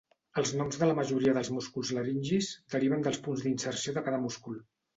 Els noms de la majoria dels músculs laringis deriven dels punts d'inserció de cada múscul.